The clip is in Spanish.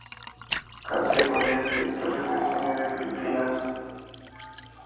CategoríaːDirectores de cine de Filipinas